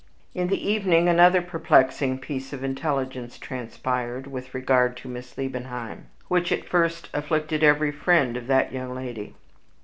In the evening another perplexing piece of intelligence transpired with regard to Miss Liebenheim, which at first afflicted every friend of that young lady.